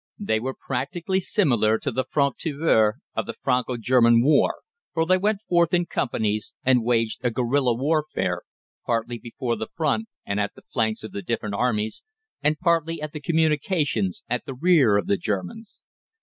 They were practically similar to the Francs tireurs of the Franco German War, for they went forth in companies and waged a guerilla warfare, partly before the front and at the flanks of the different armies, and partly at the communications at the rear of the Germans.